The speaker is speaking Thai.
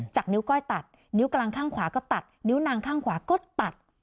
นิ้วก้อยตัดนิ้วกลางข้างขวาก็ตัดนิ้วนางข้างขวาก็ตัด